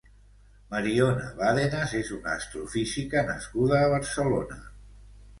Mariona Badenas és una astrofísica nascuda a Barcelona.